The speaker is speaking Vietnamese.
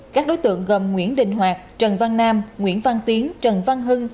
các đối tượng gồm nguyễn đình hoạt trần văn nam nguyễn văn tiến trần văn hưng